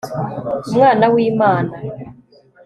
umwana w'imana